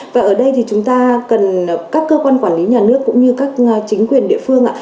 và ở đây thì chúng ta cần các cơ quan quản lý nhà nước cũng như các chính quyền địa phương ạ